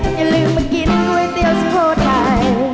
อย่าลืมมากินก๋วยเตี๋ยวสุโขทัย